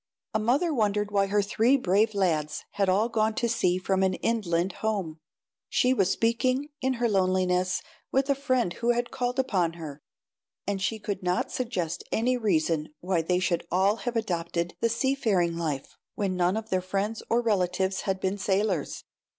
A mother wondered why her three brave lads had all gone to sea from an inland home. She was speaking, in her loneliness, with a friend who had called upon her, and she could not suggest any reason why they should all have adopted the sea faring life when none of their friends or relatives had been sailors.